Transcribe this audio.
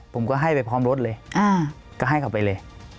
ผมก็ให้ไปพร้อมรถเลยก็ให้เขาไปเลย